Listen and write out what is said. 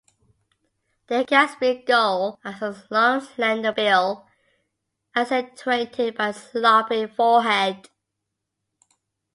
The Caspian gull has a long, slender bill, accentuated by the sloping forehead.